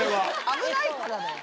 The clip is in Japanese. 危ないからだよ。